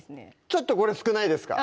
ちょっとこれ少ないですか？